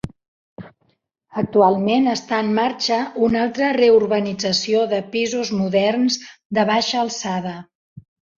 Actualment està en marxa una altra reurbanització de pisos moderns de baixa alçada.